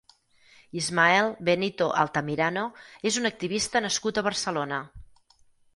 Ismael Benito Altamirano és un activista nascut a Barcelona.